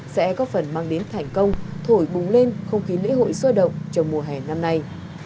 sẽ có phần mang đến thành công thổi bùng lên không khí lễ hội sôi động trong mùa hè năm nay